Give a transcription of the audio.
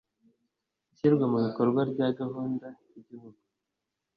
ishyirwa mu bikorwa rya Gahunda y Igihugu